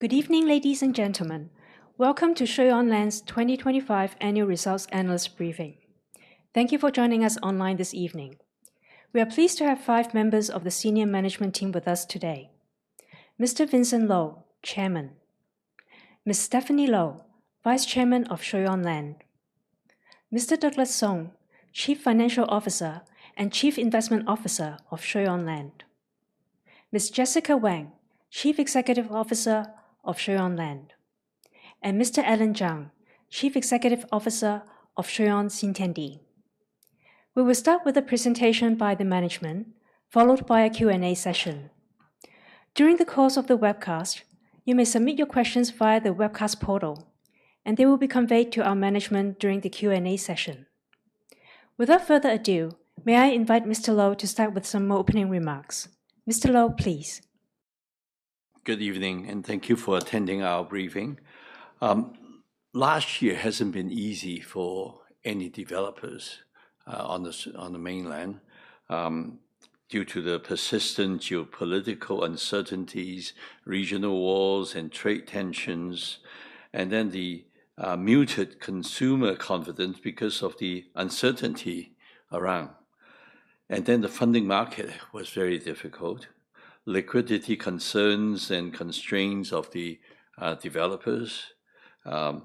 Good evening, ladies and gentlemen. Welcome to Shui On Land's 25th Annual Results Analyst Briefing. Thank you for joining us online this evening. We are pleased to have five members of the senior management team with us today. Mr. Vincent LO, Chairman, Ms. Stephanie LO, Vice Chairman of Shui On Land, Mr. Douglas SUNG, Chief Financial Officer and Chief Investment Officer of Shui On Land, Ms. Jessica WANG, Chief Executive Officer of Shui On Land, and Mr. Allan ZHANG, Chief Executive Officer of Shui On Xintiandi. We will start with a presentation by the management, followed by a Q&A session. During the course of the webcast, you may submit your questions via the webcast portal, and they will be conveyed to our management during the Q&A session. Without further ado, may I invite Mr. LO to start with some opening remarks. Mr. LO, please. Good evening, and thank you for attending our briefing. Last year hasn't been easy for any developers on the mainland due to the persistent geopolitical uncertainties, regional wars and trade tensions, and then the muted consumer confidence because of the uncertainty around. The funding market was very difficult, liquidity concerns and constraints of the developers, and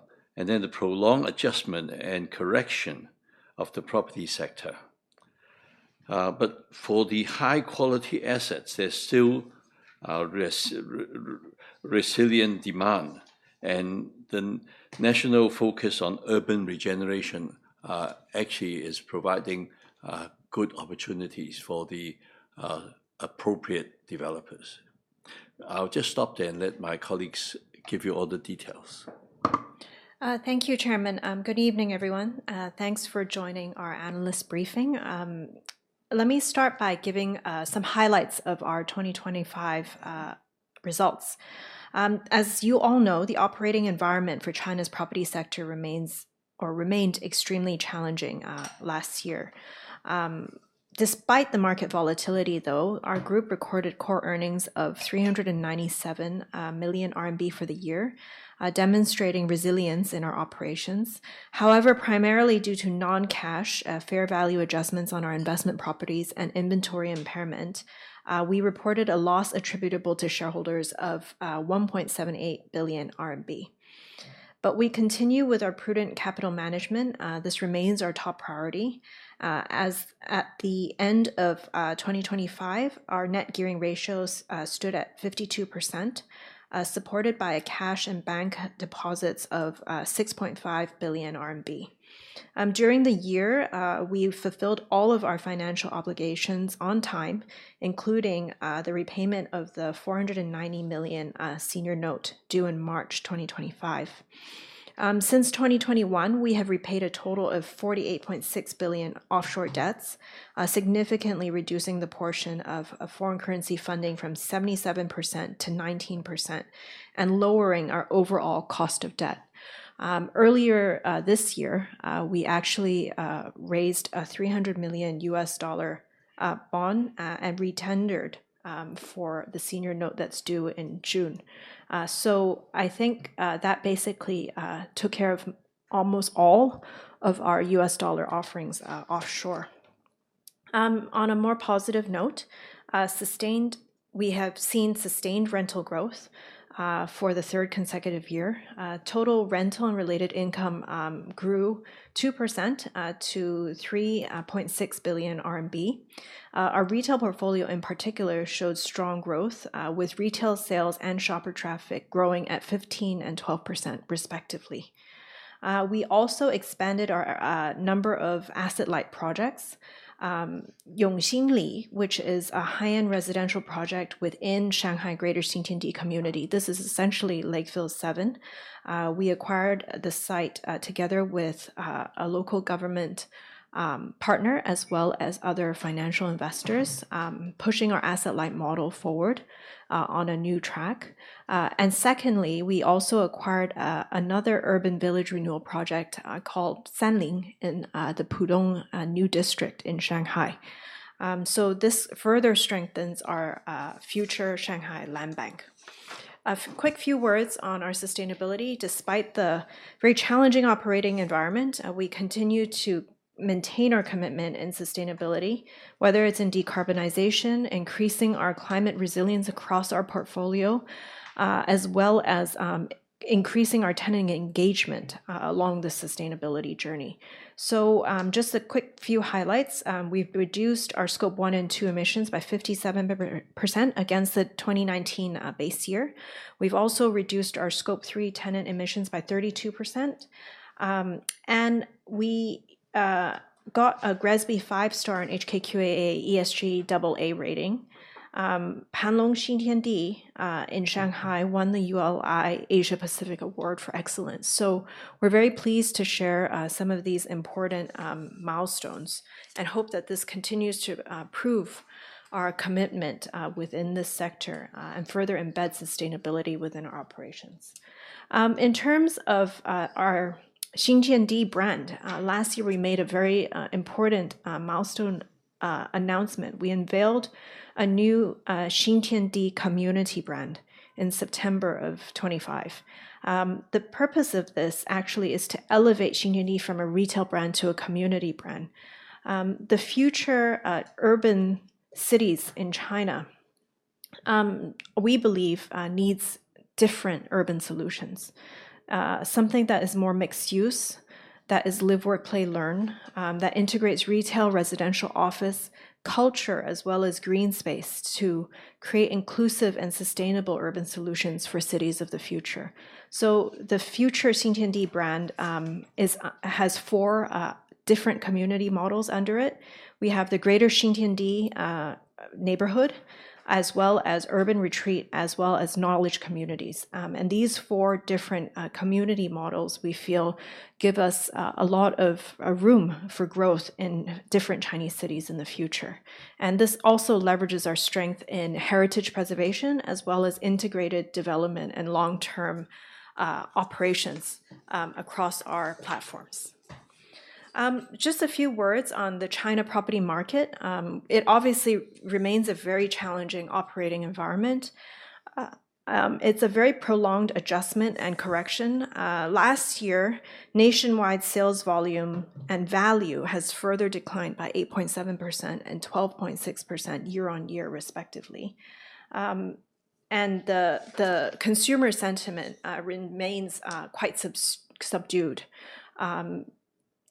then the prolonged adjustment and correction of the property sector. But for the high quality assets, there's still resilient demand, and the national focus on urban regeneration actually is providing good opportunities for the appropriate developers. I'll just stop there and let my colleagues give you all the details. Thank you, Chairman. Good evening, everyone. Thanks for joining our analyst briefing. Let me start by giving some highlights of our 2025 results. As you all know, the operating environment for China's property sector remains or remained extremely challenging last year. Despite the market volatility though, our group recorded core earnings of 397 million RMB for the year, demonstrating resilience in our operations. However, primarily due to non-cash fair value adjustments on our investment properties and inventory impairment, we reported a loss attributable to shareholders of 1.78 billion RMB. We continue with our prudent capital management. This remains our top priority. As at the end of 2025, our net gearing ratios stood at 52%, supported by cash and bank deposits of 6.5 billion RMB. During the year, we've fulfilled all of our financial obligations on time, including the repayment of the $490 million senior note due in March 2025. Since 2021, we have repaid a total of 48.6 billion offshore debts, significantly reducing the portion of foreign currency funding from 77% to 19% and lowering our overall cost of debt. Earlier this year, we actually raised a $300 million bond and re-tendered for the senior note that's due in June. I think that basically took care of almost all of our U.S. dollar offerings offshore. On a more positive note, we have seen sustained rental growth for the third consecutive year. Total rental and related income grew 2% to 3.6 billion RMB. Our retail portfolio in particular showed strong growth with retail sales and shopper traffic growing at 15% and 12% respectively. We also expanded our number of asset light projects. Yongxin Li, which is a high-end residential project within Shanghai Greater Xintiandi community. This is essentially Lakeville VII. We acquired the site together with a local government partner as well as other financial investors, pushing our asset light model forward on a new track. Secondly, we also acquired another urban village renewal project called Sanlin in the Pudong new district in Shanghai. This further strengthens our future Shanghai land bank. A quick few words on our sustainability. Despite the very challenging operating environment, we continue to maintain our commitment in sustainability, whether it's in decarbonization, increasing our climate resilience across our portfolio, as well as increasing our tenant engagement along the sustainability journey. Just a quick few words on our sustainability. We've reduced our Scope 1 and 2 emissions by 57% against the 2019 base year. We've also reduced our Scope 3 tenant emissions by 32%. We got a GRESB 5-Star and HKQAA ESG AA Rating. Panlong Xintiandi in Shanghai won the ULI Asia Pacific Awards for Excellence. We're very pleased to share some of these important milestones and hope that this continues to prove our commitment within this sector and further embed sustainability within our operations. In terms of our Xintiandi brand, last year we made a very important milestone announcement. We unveiled a new Xintiandi community brand in September of 2025. The purpose of this actually is to elevate Xintiandi from a retail brand to a community brand. The future urban cities in China we believe needs different urban solutions. Something that is more mixed use, that is live, work, play, learn, that integrates retail, residential, office, culture, as well as green space to create inclusive and sustainable urban solutions for cities of the future. The future Xintiandi brand has four different community models under it. We have the Greater Xintiandi neighborhood, as well as urban retreat, as well as knowledge communities. These four different community models, we feel give us a lot of room for growth in different Chinese cities in the future. This also leverages our strength in heritage preservation, as well as integrated development and long-term operations across our platforms. Just a few words on the China property market. It obviously remains a very challenging operating environment. It's a very prolonged adjustment and correction. Last year, nationwide sales volume and value has further declined by 8.7% and 12.6% year-on-year, respectively. The consumer sentiment remains quite subdued,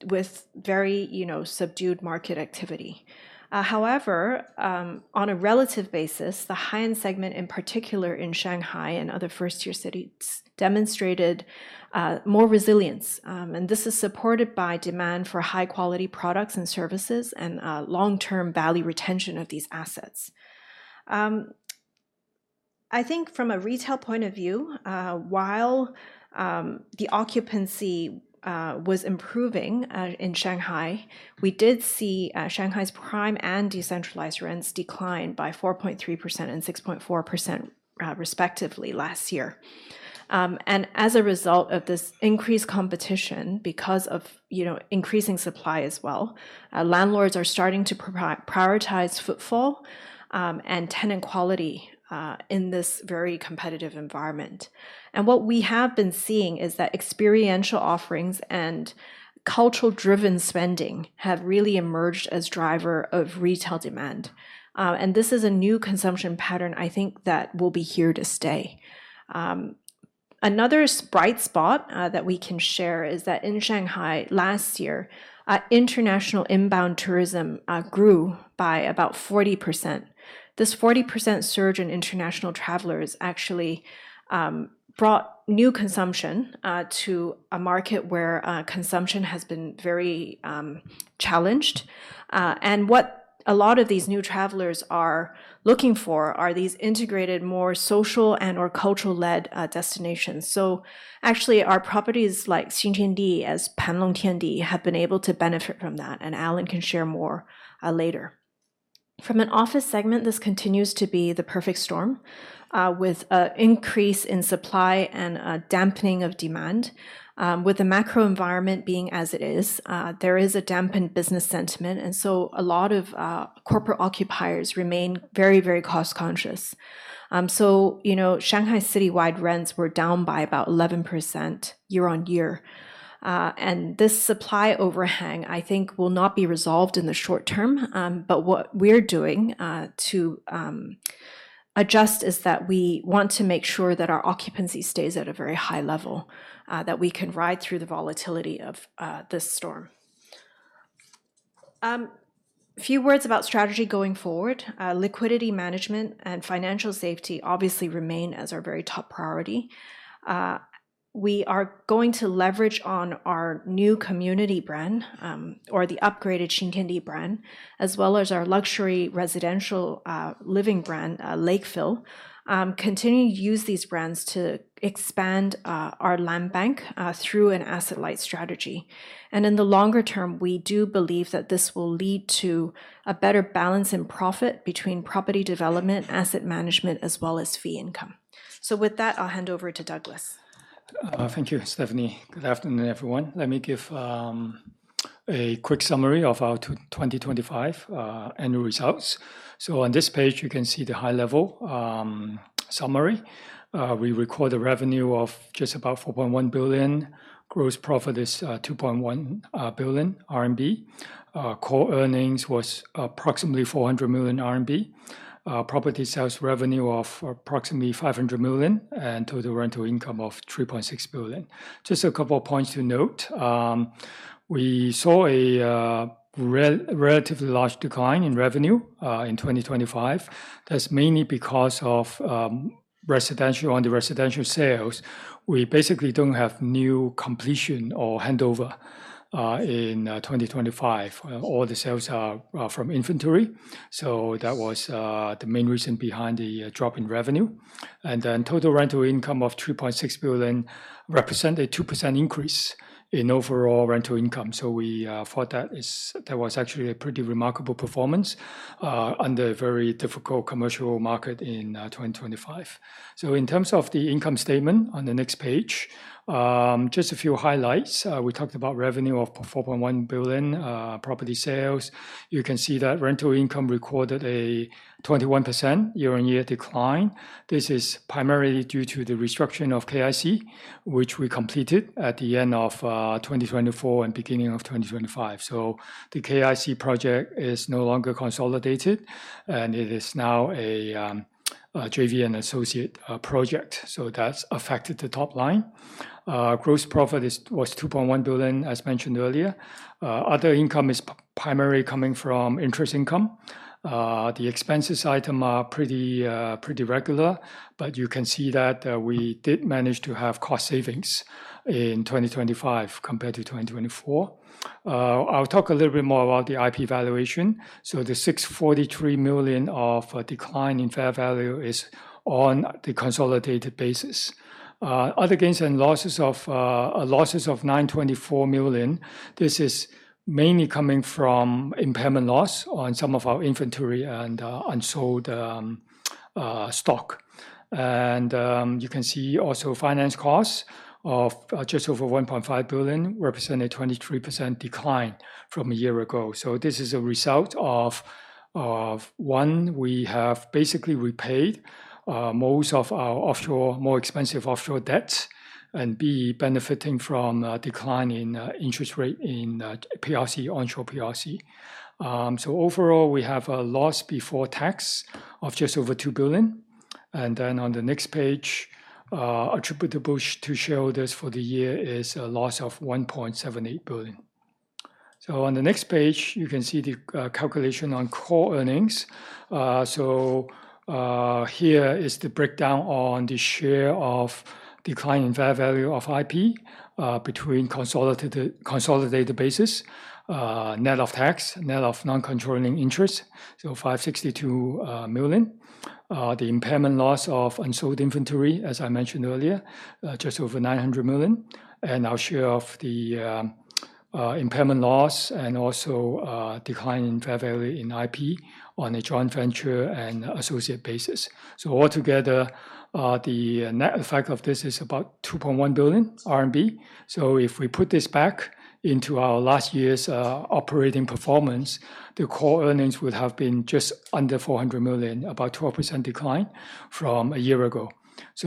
with very, you know, subdued market activity. However, on a relative basis, the high-end segment, in particular in Shanghai and other first-tier cities, demonstrated more resilience. This is supported by demand for high quality products and services and long-term value retention of these assets. I think from a retail point of view, while the occupancy was improving in Shanghai, we did see Shanghai's prime and decentralized rents decline by 4.3% and 6.4%, respectively last year. As a result of this increased competition, because of, you know, increasing supply as well, landlords are starting to prioritize footfall and tenant quality in this very competitive environment. What we have been seeing is that experiential offerings and cultural-driven spending have really emerged as driver of retail demand. This is a new consumption pattern, I think, that will be here to stay. Another bright spot that we can share is that in Shanghai last year, international inbound tourism grew by about 40%. This 40% surge in international travelers actually brought new consumption to a market where consumption has been very challenged. What a lot of these new travelers are looking for are these integrated, more social and/or cultural-led destinations. Actually, our properties like Xintiandi, as Panlong Xintiandi, have been able to benefit from that, and Allan can share more later. From an office segment, this continues to be the perfect storm, with an increase in supply and a dampening of demand. With the macro environment being as it is, there is a dampened business sentiment, and so a lot of corporate occupiers remain very, very cost-conscious. You know, Shanghai citywide rents were down by about 11% year-on-year. This supply overhang, I think, will not be resolved in the short term, but what we're doing to adjust is that we want to make sure that our occupancy stays at a very high level, that we can ride through the volatility of this storm. Few words about strategy going forward. Liquidity management and financial safety obviously remain as our very top priority. We are going to leverage on our new community brand, or the upgraded Xintiandi brand, as well as our luxury residential living brand, Lakeville, continue to use these brands to expand our land bank through an asset-light strategy. In the longer term, we do believe that this will lead to a better balance in profit between property development, asset management, as well as fee income. With that, I'll hand over to Douglas. Thank you, Stephanie. Good afternoon, everyone. Let me give a quick summary of our 2025 annual results. On this page, you can see the high level summary. We record a revenue of just about 4.1 billion. Gross profit is 2.1 billion RMB. Core earnings was approximately 400 million RMB. Property sales revenue of approximately 500 million, and total rental income of 3.6 billion. Just a couple of points to note. We saw a relatively large decline in revenue in 2025. That's mainly because of residential sales. We basically don't have new completion or handover in 2025. All the sales are from inventory, so that was the main reason behind the drop in revenue. Total rental income of 3.6 billion represents a 2% increase in overall rental income. We thought that was actually a pretty remarkable performance under a very difficult commercial market in 2025. In terms of the income statement on the next page, just a few highlights. We talked about revenue of 4.1 billion, property sales. You can see that rental income recorded a 21% year-on-year decline. This is primarily due to the restructuring of KIC, which we completed at the end of 2024 and beginning of 2025. The KIC project is no longer consolidated, and it is now a JV and associate project. That's affected the top line. Gross profit was 2.1 billion, as mentioned earlier. Other income is primarily coming from interest income. The expenses item are pretty regular, but you can see that we did manage to have cost savings in 2025 compared to 2024. I'll talk a little bit more about the IP valuation. The 643 million decline in fair value is on the consolidated basis. Other gains and losses of 924 million losses, this is mainly coming from impairment loss on some of our inventory and unsold stock. You can see also finance costs of just over 1.5 billion, representing a 23% decline from a year ago. This is a result of one we have basically repaid most of our offshore more expensive offshore debts and b benefiting from a decline in interest rate in PRC onshore PRC. Overall, we have a loss before tax of just over 2 billion. On the next page, attributable to shareholders for the year is a loss of 1.78 billion. On the next page, you can see the calculation on core earnings. Here is the breakdown on the share of decline in fair value of IP between consolidated basis net of tax net of non-controlling interest, so 562 million. The impairment loss of unsold inventory, as I mentioned earlier, just over 900 million. Our share of the impairment loss and also decline in fair value in IP on a joint venture and associate basis. All together, the net effect of this is about 2.1 billion RMB. If we put this back into our last year's operating performance, the core earnings would have been just under 400 million, about 12% decline from a year ago.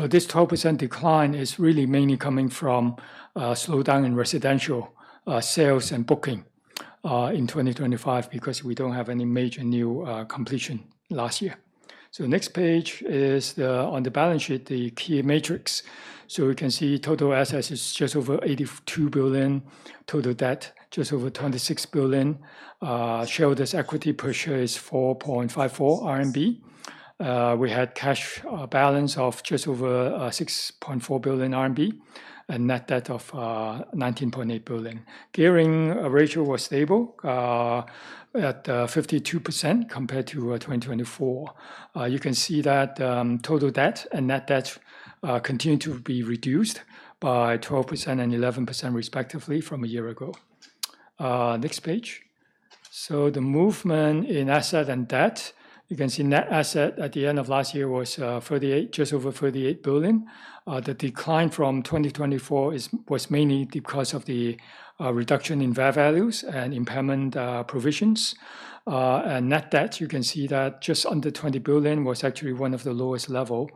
This 12% decline is really mainly coming from slowdown in residential sales and bookings in 2025 because we don't have any major new completion last year. Next page is the, on the balance sheet, the key metrics. We can see total assets is just over 82 billion, total debt just over 26 billion. Shareholders' equity per share is 4.54 RMB. We had cash balance of just over 6.4 billion RMB and net debt of 19.8 billion. Gearing ratio was stable at 52% compared to 2024. You can see that total debt and net debt continue to be reduced by 12% and 11% respectively from a year ago. Next page. The movement in asset and debt. You can see net asset at the end of last year was just over 38 billion. The decline from 2024 was mainly because of the reduction in fair values and impairment provisions. Net debt, you can see that just under 20 billion was actually one of the lowest level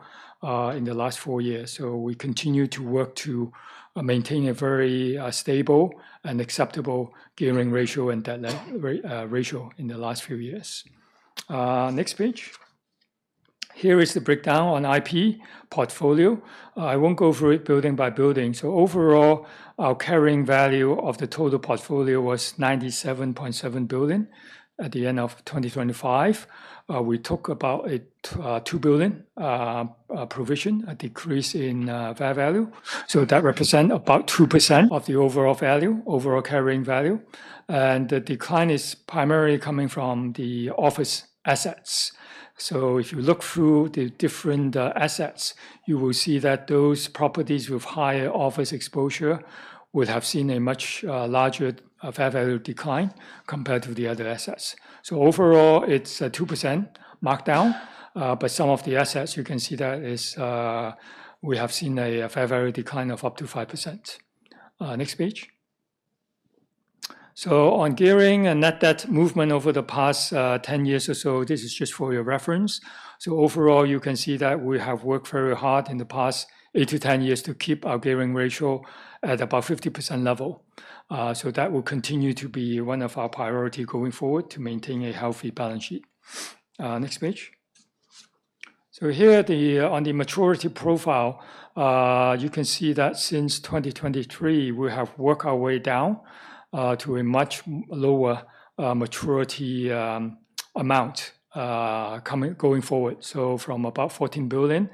in the last four years. We continue to work to maintain a very stable and acceptable gearing ratio and debt-leverage ratio in the last few years. Next page. Here is the breakdown on IP portfolio. I won't go through it building by building. Overall, our carrying value of the total portfolio was 97.7 billion at the end of 2025. We took about 2 billion provision, a decrease in fair value. That represents about 2% of the overall value, overall carrying value. The decline is primarily coming from the office assets. If you look through the different assets, you will see that those properties with higher office exposure would have seen a much larger fair value decline compared to the other assets. Overall, it's a 2% markdown. Some of the assets, you can see that is, we have seen a fair value decline of up to 5%. Next page. On gearing and net debt movement over the past 10 years or so, this is just for your reference. Overall, you can see that we have worked very hard in the past eight to 10 years to keep our gearing ratio at about 50% level. That will continue to be one of our priority going forward to maintain a healthy balance sheet. Next page. Here, on the maturity profile, you can see that since 2023, we have worked our way down to a much lower maturity amount coming going forward. From about 14 billion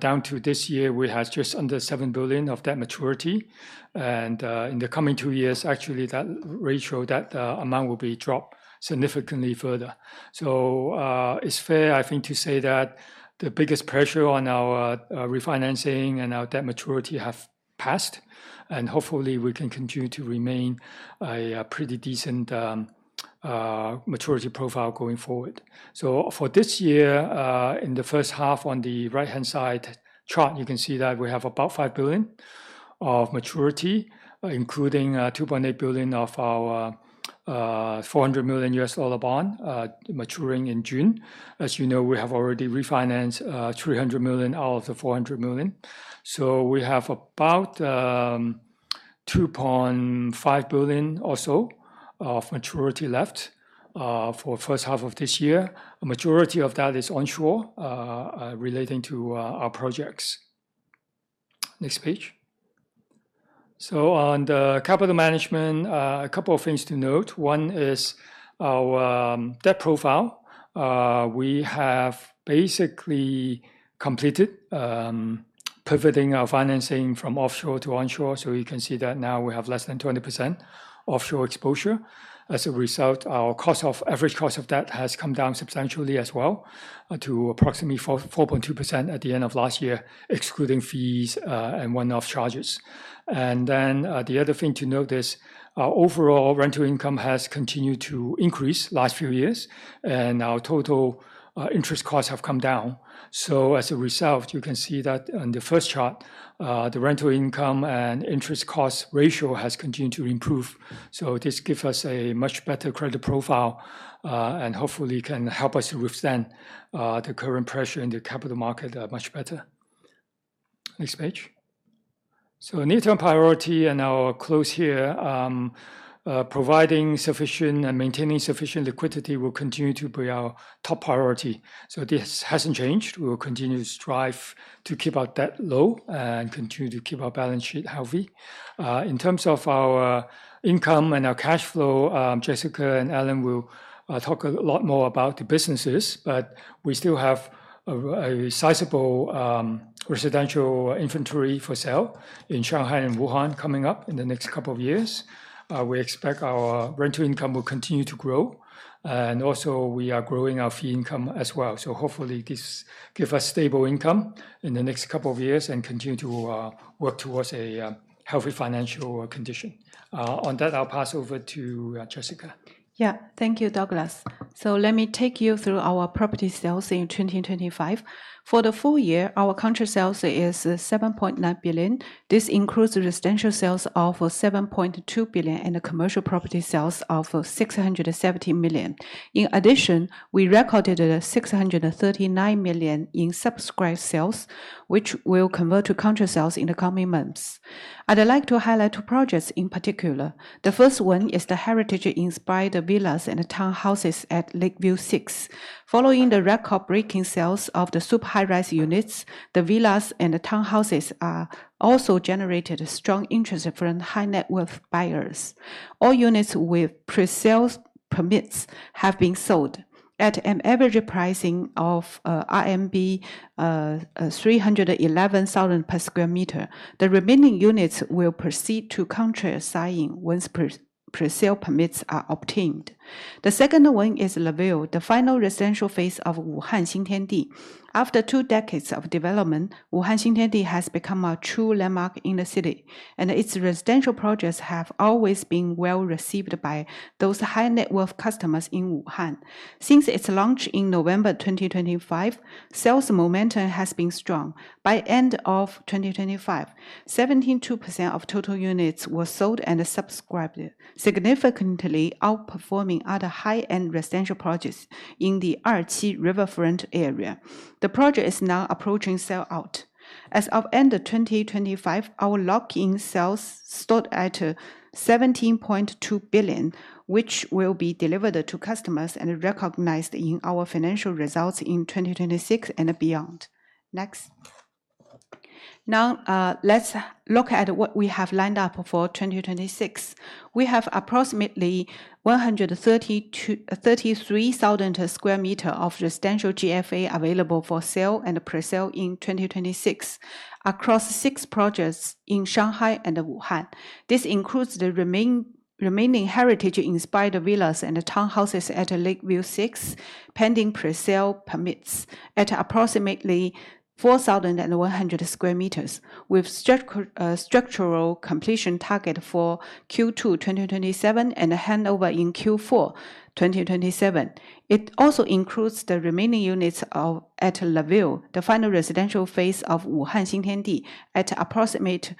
down to this year, we have just under 7 billion of debt maturity. In the coming two years, actually, that ratio, that amount will be dropped significantly further. It's fair, I think, to say that the biggest pressure on our refinancing and our debt maturity have passed, and hopefully, we can continue to remain a pretty decent maturity profile going forward. For this year, in the first half on the right-hand side chart, you can see that we have about 5 billion of maturity, including 2.8 billion of our $400 million bond maturing in June. As you know, we have already refinanced 300 million out of the 400 million. We have about 2.5 billion or so of maturity left for first half of this year. A majority of that is onshore relating to our projects. Next page. On the capital management, a couple of things to note. One is our debt profile. We have basically completed pivoting our financing from offshore to onshore, so you can see that now we have less than 20% offshore exposure. As a result, our average cost of debt has come down substantially as well to approximately 4.2% at the end of last year, excluding fees and one-off charges. The other thing to note is our overall rental income has continued to increase last few years, and our total interest costs have come down. As a result, you can see that on the first chart, the rental income and interest cost ratio has continued to improve. This give us a much better credit profile, and hopefully can help us withstand the current pressure in the capital market much better. Next page. Near-term priority, and I'll close here. Providing sufficient and maintaining sufficient liquidity will continue to be our top priority. This hasn't changed. We will continue to strive to keep our debt low and continue to keep our balance sheet healthy. In terms of our income and our cash flow, Jessica and Alan will talk a lot more about the businesses, but we still have a sizable residential inventory for sale in Shanghai and Wuhan coming up in the next couple of years. We expect our rental income will continue to grow, and also we are growing our fee income as well. Hopefully this give us stable income in the next couple of years and continue to work towards a healthy financial condition. On that, I'll pass over to Jessica. Yeah. Thank you, Douglas. Let me take you through our property sales in 2025. For the full year, our contract sales is 7.9 billion. This includes residential sales of 7.2 billion and commercial property sales of 670 million. In addition, we recorded 639 million in subscribed sales, which will convert to contract sales in the coming months. I'd like to highlight two projects in particular. The first one is the heritage-inspired villas and townhouses at Lakeville VI. Following the record-breaking sales of the super high-rise units, the villas and the townhouses are also generated a strong interest from high net worth buyers. All units with pre-sale permits have been sold at an average pricing of RMB 311,000 per sq m. The remaining units will proceed to contract signing once pre-sale permits are obtained. The second one is La Ville, the final residential phase of Wuhan Xintiandi. After two decades of development, Wuhan Xintiandi has become a true landmark in the city, and its residential projects have always been well-received by those high net worth customers in Wuhan. Since its launch in November 2025, sales momentum has been strong. By end of 2025, 72% of total units were sold and subscribed, significantly outperforming other high-end residential projects in the Erqi Riverfront area. The project is now approaching sell-out. As of end of 2025, our lock-in sales stood at 17.2 billion, which will be delivered to customers and recognized in our financial results in 2026 and beyond. Next. Now, let's look at what we have lined up for 2026. We have approximately 133,000 sq m of residential GFA available for sale and pre-sale in 2026 across six projects in Shanghai and Wuhan. This includes the remaining heritage-inspired villas and townhouses at Lakeville VI, pending pre-sale permits at approximately 4,100 sq m with structural completion target for Q2 2027 and a handover in Q4 2027. It also includes the remaining units at La Ville, the final residential phase of Wuhan Xintiandi at approximately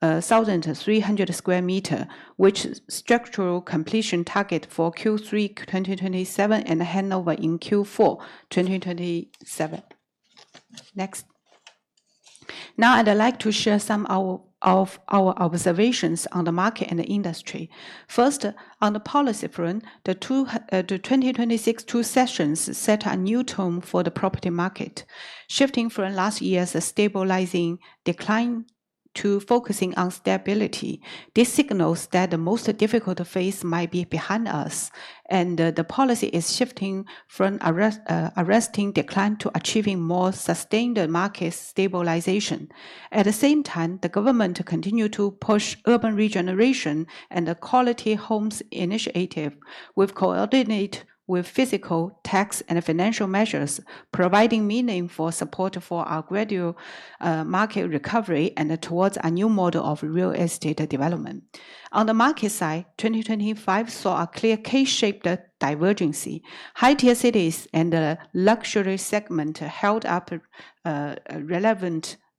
14,300 sq m, which structural completion target for Q3 2027 and a handover in Q4 2027. Next. Now, I'd like to share some of our observations on the market and the industry. First, on the policy front, the 2026 Two Sessions set a new tone for the property market, shifting from last year's stabilizing decline to focusing on stability. This signals that the most difficult phase might be behind us, and the policy is shifting from arresting decline to achieving more sustained market stabilization. At the same time, the government continue to push urban regeneration and the quality homes initiative with coordinated physical, tax, and financial measures, providing meaningful support for a gradual market recovery and towards a new model of real estate development. On the market side, 2025 saw a clear K-shaped divergence. High-tier cities and the luxury segment held up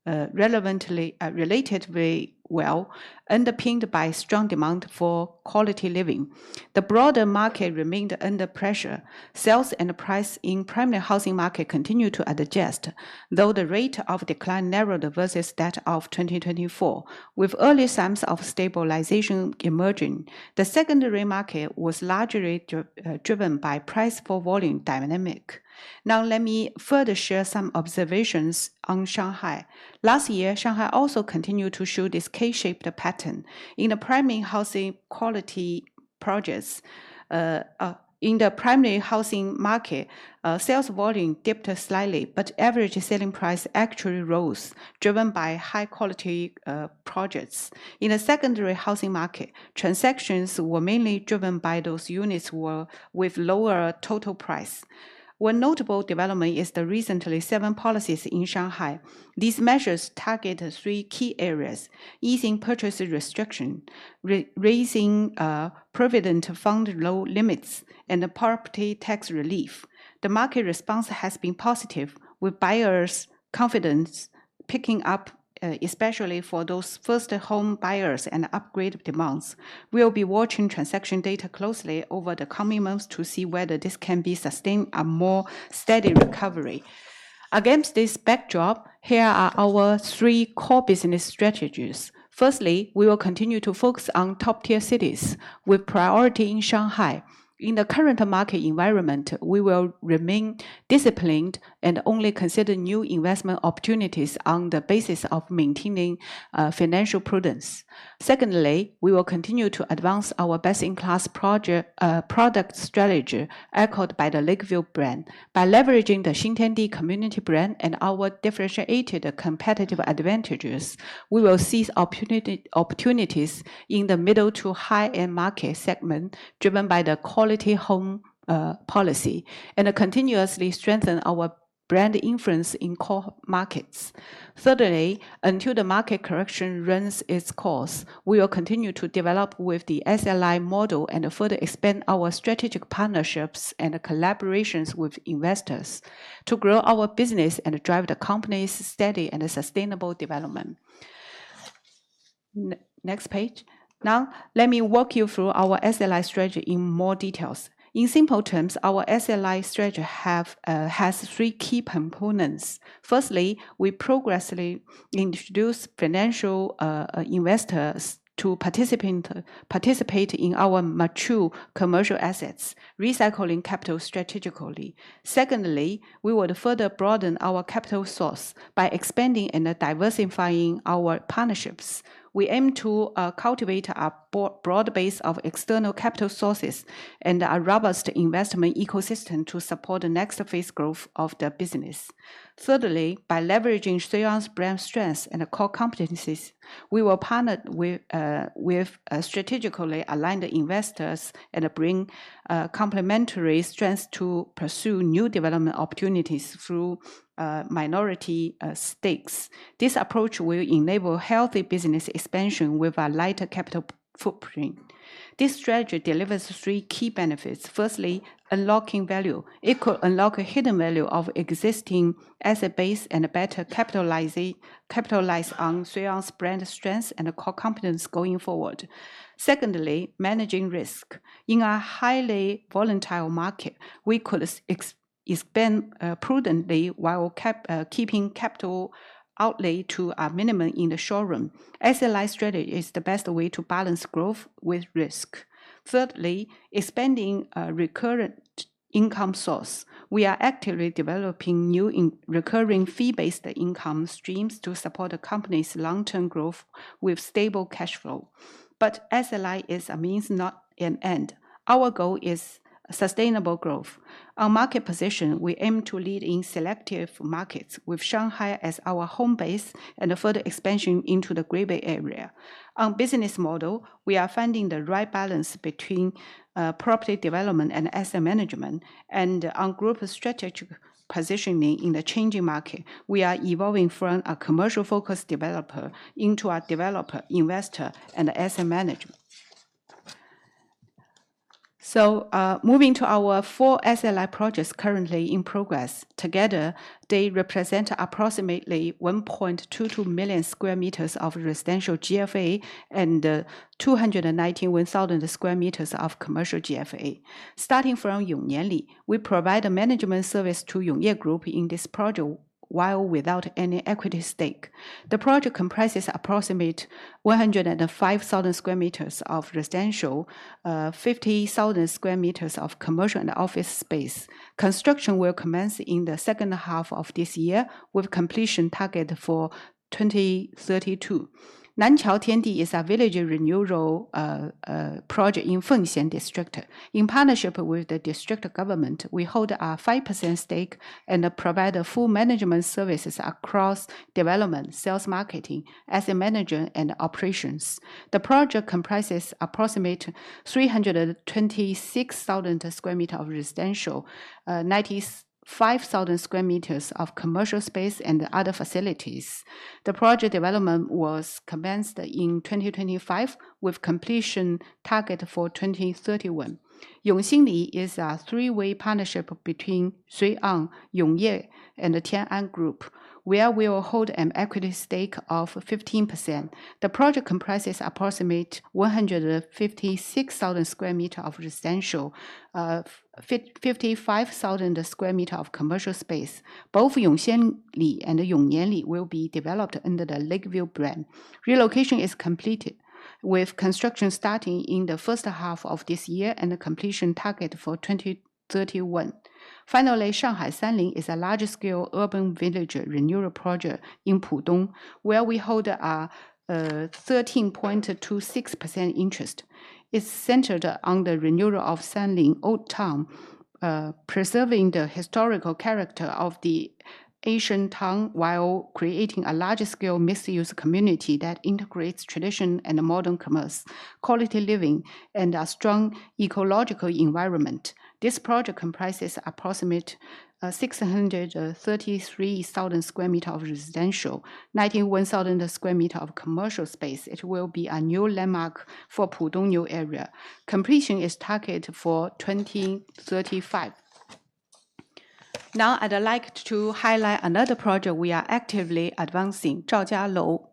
relatively well, underpinned by strong demand for quality living. The broader market remained under pressure. Sales and prices in primary housing market continued to adjust, though the rate of decline narrowed versus that of 2024, with early signs of stabilization emerging. The secondary market was largely driven by price-for-volume dynamic. Now, let me further share some observations on Shanghai. Last year, Shanghai also continued to show this K-shaped pattern. In the primary housing market, sales volume dipped slightly, but average selling price actually rose, driven by high quality projects. In the secondary housing market, transactions were mainly driven by those units with lower total price. One notable development is the recent Seven Policies in Shanghai. These measures target three key areas, easing purchase restrictions, raising provident fund loan limits, and the property tax relief. The market response has been positive, with buyers' confidence picking up, especially for those first home buyers and upgrade demands. We'll be watching transaction data closely over the coming months to see whether this can be sustained, a more steady recovery. Against this backdrop, here are our three core business strategies. Firstly, we will continue to focus on top-tier cities with priority in Shanghai. In the current market environment, we will remain disciplined and only consider new investment opportunities on the basis of maintaining financial prudence. Secondly, we will continue to advance our best-in-class product strategy echoed by the Lakeville brand. By leveraging the Xintiandi community brand and our differentiated competitive advantages, we will seize opportunities in the middle to high-end market segment, driven by the quality homes initiative, and continuously strengthen our brand influence in core markets. Thirdly, until the market correction runs its course, we will continue to develop with the SLI model and further expand our strategic partnerships and collaborations with investors to grow our business and drive the company's steady and sustainable development. Now, let me walk you through our SLI strategy in more details. In simple terms, our SLI strategy has three key components. Firstly, we progressively introduce financial investors to participate in our mature commercial assets, recycling capital strategically. Secondly, we would further broaden our capital source by expanding and diversifying our partnerships. We aim to cultivate a broad base of external capital sources and a robust investment ecosystem to support the next phase growth of the business. Thirdly, by leveraging Shui On's brand strengths and core competencies, we will partner with strategically aligned investors and bring complementary strengths to pursue new development opportunities through minority stakes. This approach will enable healthy business expansion with a lighter capital footprint. This strategy delivers three key benefits. Firstly, unlocking value. It could unlock a hidden value of existing asset base and better capitalize on Shui On's brand strengths and core competence going forward. Secondly, managing risk. In a highly volatile market, we could expand prudently while keeping capital outlay to a minimum in the short run. SLI strategy is the best way to balance growth with risk. Thirdly, expanding a recurrent income source. We are actively developing new recurring fee-based income streams to support the company's long-term growth with stable cash flow. But SLI is a means, not an end. Our goal is sustainable growth. Our market position, we aim to lead in selective markets with Shanghai as our home base and a further expansion into the Greater Bay Area. Our business model, we are finding the right balance between property development and asset management. On group strategic positioning in the changing market, we are evolving from a commercial-focused developer into a developer, investor, and asset management. Moving to our four SLI projects currently in progress. Together, they represent approximately 1.22 million sq m of residential GFA and 291,000 sq m of commercial GFA. Starting from Yongxin Li, we provide a management service to Yongye Group in this project while without any equity stake. The project comprises approximate 105,000 sq m of residential, 50,000 sq m of commercial and office space. Construction will commence in the second half of this year, with completion target for 2032. Nanqiao Xintiandi is a village renewal project in Fengxian District. In partnership with the district government, we hold a 5% stake and provide a full management services across development, sales, marketing, asset management, and operations. The project comprises approximately 326,000 sq m of residential, 95,000 sq m of commercial space and other facilities. The project development was commenced in 2025, with completion target for 2031. Yongxin Li is a three-way partnership between Shui On, Yongye, and the Tian An Group, where we will hold an equity stake of 15%. The project comprises approximately 156,000 sq m of residential, 55,000 sq m of commercial space. Both Yongxin Li and Yongnian Li will be developed under the Lakeville brand. Relocation is completed, with construction starting in the first half of this year and a completion target for 2031. Finally, Shanghai Sanlin is a large-scale urban village renewal project in Pudong, where we hold 13.26% interest. It's centered on the renewal of Sanlin Old Town, preserving the historical character of the ancient town while creating a larger scale mixed-use community that integrates tradition and modern commerce, quality living, and a strong ecological environment. This project comprises approximately 633,000 sq m of residential, 91,000 sq m of commercial space. It will be a new landmark for Pudong New Area. Completion is targeted for 2035. Now, I'd like to highlight another project we are actively advancing, Zhaojialou Xintiandi.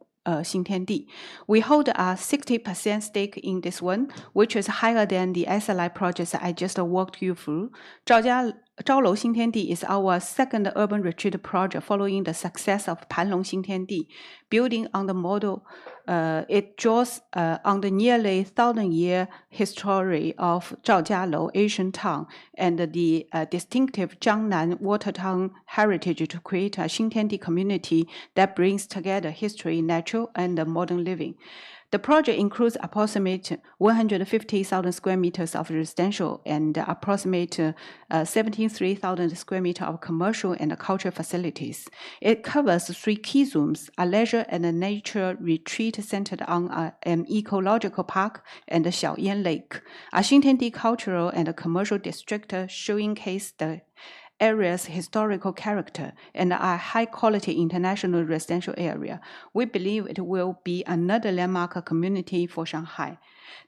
We hold a 60% stake in this one, which is higher than the SLI projects I just walked you through. Zhaojialou Xintiandi is our second urban retreat project following the success of Panlong Xintiandi. Building on the model, it draws on the nearly 1,000-year history of Zhaojialou ancient town and the distinctive Jiangnan water town heritage to create a Xintiandi community that brings together history, natural, and modern living. The project includes approximate 150,000 sq m of residential and approximate 73,000 sq m of commercial and cultural facilities. It covers three key zones. A leisure and a nature retreat centered on an ecological park and the Xiaoyan Lake. A Xintiandi cultural and a commercial district showcasing the area's historical character and a high-quality international residential area. We believe it will be another landmark community for Shanghai.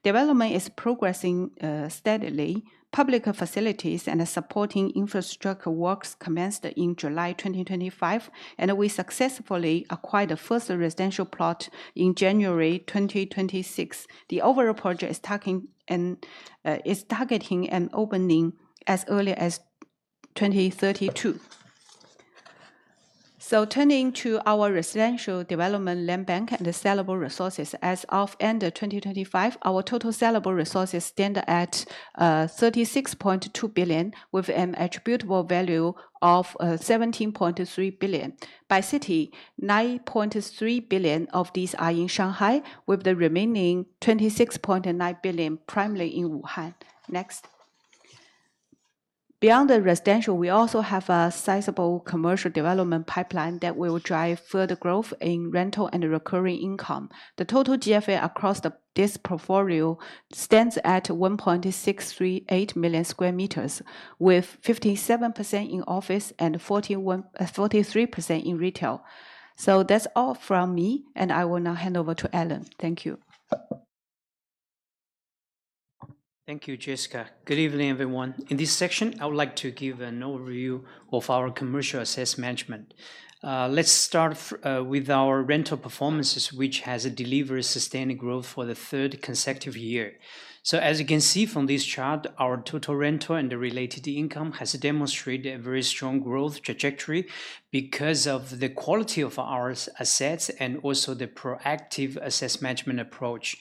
Development is progressing steadily. Public facilities and supporting infrastructure works commenced in July 2025, and we successfully acquired the first residential plot in January 2026. The overall project is targeting an opening as early as 2032. Turning to our residential development land bank and the sellable resources. As of end of 2025, our total sellable resources stand at 36.2 billion with an attributable value of 17.3 billion. By city, 9.3 billion of these are in Shanghai, with the remaining 26.9 billion primarily in Wuhan. Next. Beyond the residential, we also have a sizable commercial development pipeline that will drive further growth in rental and recurring income. The total GFA across this portfolio stands at 1.638 million sq m, with 57% in office and 43% in retail. That's all from me, and I will now hand over to Allan. Thank you. Thank you, Jessica. Good evening, everyone. In this section, I would like to give an overview of our commercial assets management. Let's start with our rental performances, which has delivered sustained growth for the third consecutive year. As you can see from this chart, our total rental and the related income has demonstrated a very strong growth trajectory because of the quality of our assets and also the proactive assets management approach.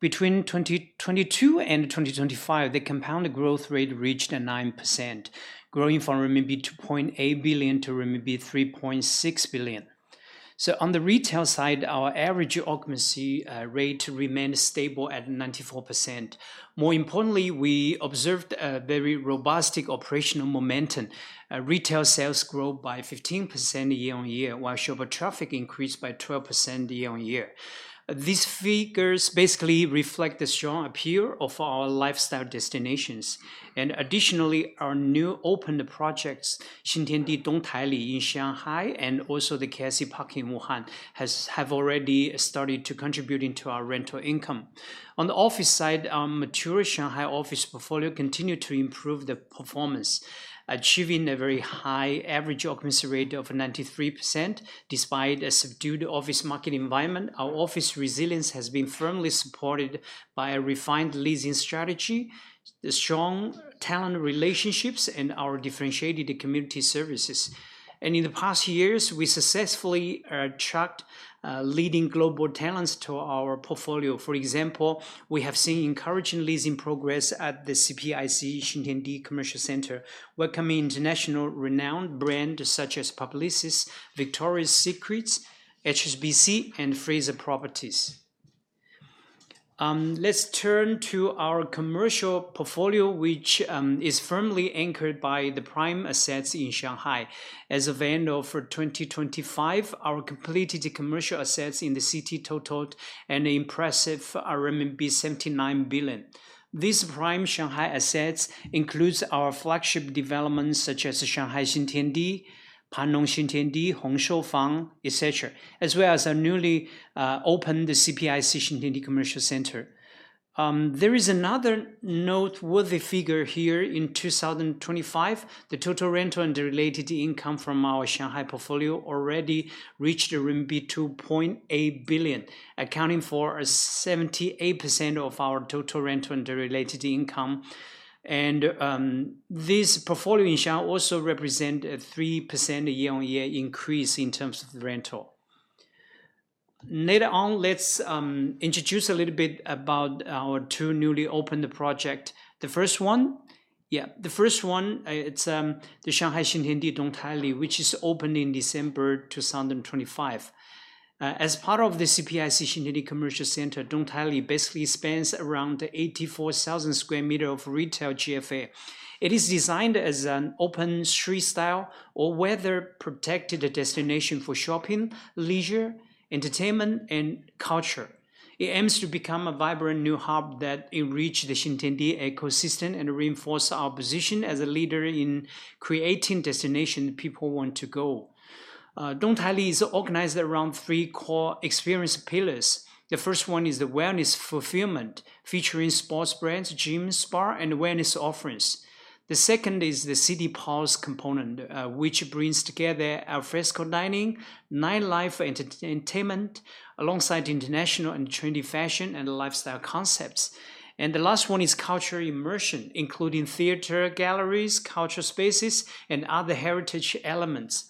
Between 2022 and 2025, the compounded growth rate reached 9%, growing from 2.8 billion-3.6 billion RMB. On the retail side, our average occupancy rate remained stable at 94%. More importantly, we observed a very robust operational momentum. Retail sales grew by 15% year-on-year, while shopper traffic increased by 12% year-on-year. These figures basically reflect the strong appeal of our lifestyle destinations. Additionally, our new opened projects, Xintiandi Dongtai Li in Shanghai and also the KIC PARK in Wuhan, have already started to contribute into our rental income. On the office side, our mature Shanghai office portfolio continued to improve the performance, achieving a very high average occupancy rate of 93% despite a subdued office market environment. Our office resilience has been firmly supported by a refined leasing strategy, strong talent relationships, and our differentiated community services. In the past years, we successfully attracted leading global talents to our portfolio. For example, we have seen encouraging leasing progress at the CPIC Xintiandi Commercial Center, welcoming international renowned brands such as Publicis Groupe, Victoria's Secret, HSBC, and Frasers Property. Let's turn to our commercial portfolio, which is firmly anchored by the prime assets in Shanghai. As of end of 2025, our completed commercial assets in the city totaled an impressive RMB 79 billion. These prime Shanghai assets includes our flagship developments such as the Xintiandi, Panlong Xintiandi, Hongshoufang, et cetera, as well as our newly opened the CPIC Xintiandi. There is another noteworthy figure here. In 2025, the total rental and the related income from our Shanghai portfolio already reached RMB 2.8 billion, accounting for 78% of our total rental and the related income. This portfolio in Shanghai also represent a 3% year-on-year increase in terms of the rental. Later on, let's introduce a little bit about our two newly opened project. The first one, it's the Xintiandi Dongtai Li, which is opened in December 2025. As part of the CPIC Xintiandi commercial center, Dongtai Li basically spans around 84,000 sq m of retail GFA. It is designed as an open street style or weather protected destination for shopping, leisure, entertainment, and culture. It aims to become a vibrant new hub that enrich the Xintiandi ecosystem and reinforce our position as a leader in creating destination people want to go. Dongtai Li is organized around 3 core experience pillars. The first one is the wellness fulfillment, featuring sports brands, gym, spa, and wellness offerings. The second is the city pulse component, which brings together al fresco dining, nightlife entertainment, alongside international and trendy fashion and lifestyle concepts. The last one is culture immersion, including theater, galleries, culture spaces, and other heritage elements.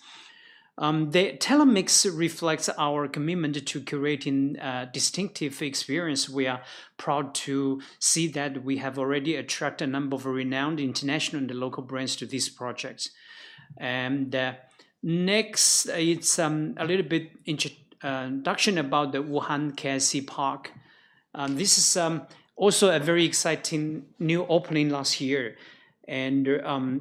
The tenant mix reflects our commitment to creating a distinctive experience. We are proud to see that we have already attracted a number of renowned international and local brands to this project. Next, it's a little bit introduction about the Wuhan KIC Park. This is also a very exciting new opening last year and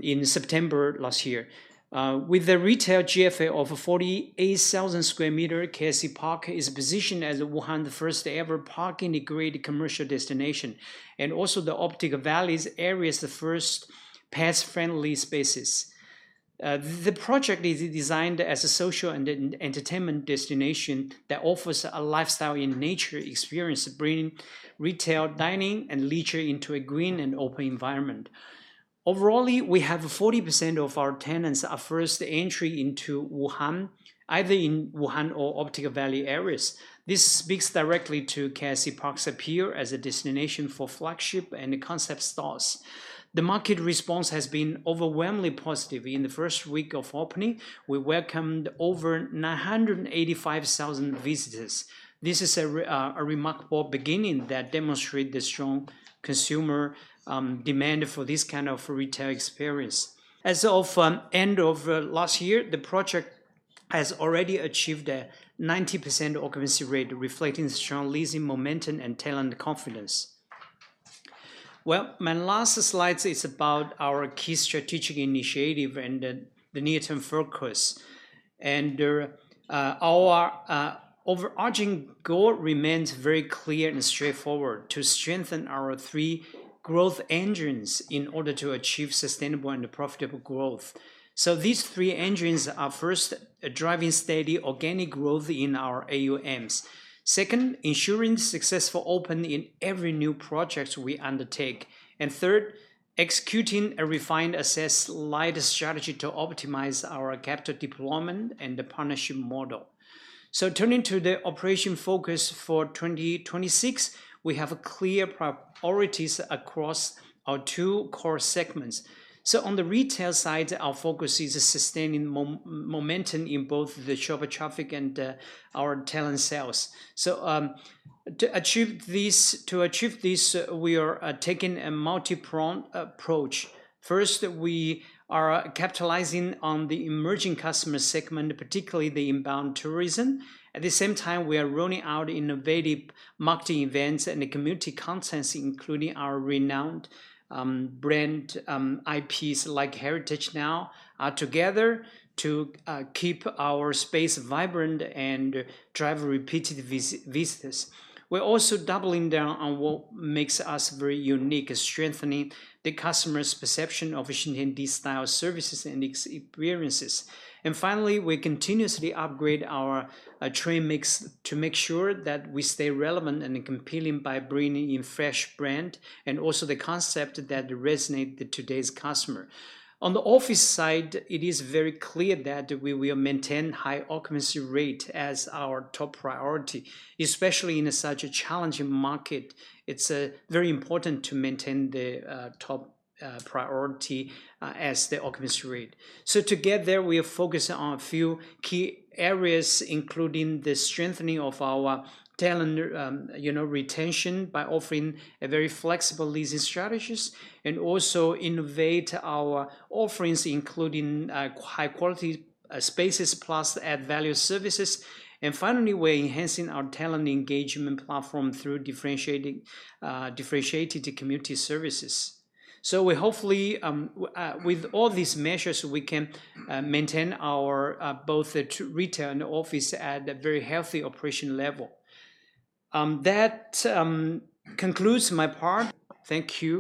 in September last year. With a retail GFA of 48,000 sq m, KIC PARK is positioned as Wuhan's first-ever park integrated commercial destination, and also the Optics Valley area's first pet-friendly spaces. The project is designed as a social and entertainment destination that offers a lifestyle and nature experience, bringing retail, dining, and leisure into a green and open environment. Overall, we have 40% of our tenants are first entry into Wuhan, either in Wuhan or Optics Valley areas. This speaks directly to KIC PARK's appeal as a destination for flagship and concept stores. The market response has been overwhelmingly positive. In the first week of opening, we welcomed over 985,000 visitors. This is a remarkable beginning that demonstrate the strong consumer demand for this kind of retail experience. As of end of last year, the project has already achieved a 90% occupancy rate, reflecting strong leasing momentum and tenant confidence. Well, my last slide is about our key strategic initiative and the near-term focus. Our overarching goal remains very clear and straightforward: to strengthen our three growth engines in order to achieve sustainable and profitable growth. These three engines are, first, driving steady organic growth in our AUMs. Second, ensuring successful opening in every new project we undertake. And third, executing a refined asset-light strategy to optimize our capital deployment and the partnership model. Turning to the operational focus for 2026, we have clear priorities across our two core segments. On the retail side, our focus is sustaining momentum in both the shopper traffic and our tenant sales. To achieve this, we are taking a multi-pronged approach. First, we are capitalizing on the emerging customer segment, particularly the inbound tourism. At the same time, we are rolling out innovative marketing events and community contents, including our renowned brand IPs like Heritage Now together to keep our space vibrant and drive repeated visits. We're also doubling down on what makes us very unique, strengthening the customer's perception of Xintiandi style services and experiences. Finally, we continuously upgrade our tenant mix to make sure that we stay relevant and compelling by bringing in fresh brand and also the concept that resonate with today's customer. On the office side, it is very clear that we will maintain high occupancy rate as our top priority, especially in such a challenging market. It's very important to maintain the top priority as the occupancy rate. To get there, we are focused on a few key areas, including the strengthening of our tenant, you know, retention by offering a very flexible leasing strategies, and also innovate our offerings, including high quality spaces plus add value services. Finally, we're enhancing our tenant engagement platform through differentiating differentiated community services. We hopefully, with all these measures, we can maintain our both the retail and office at a very healthy operation level. That concludes my part. Thank you.